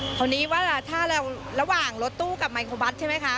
คราวนี้ว่าถ้าเราระหว่างรถตู้กับไมโครบัสใช่ไหมคะ